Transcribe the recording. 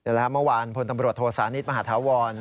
เดี๋ยวนะครับเมื่อวานพลตำรวจโทษศาลนิษฐ์มหาธาวร